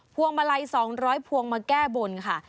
วงมาลัย๒๐๐พวงมาแก้บนค่ะ